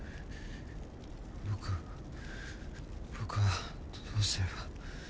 僕僕はどうすれば。